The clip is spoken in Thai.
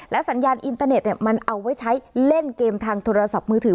สัญญาณอินเตอร์เน็ตมันเอาไว้ใช้เล่นเกมทางโทรศัพท์มือถือ